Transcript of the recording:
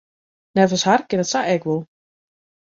Neffens har kin it sa ek wol.